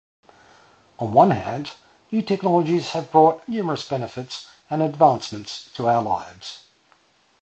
On one hand, new technologies have brought numerous benefits and advancements to our lives.